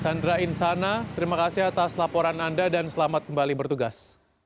sandra insana terima kasih atas laporan anda dan selamat kembali bertugas